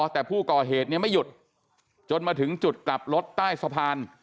แต่ผู้ก่อเหตุเนี่ยไม่หยุดจนมาถึงจุดกลับรถใต้สะพาน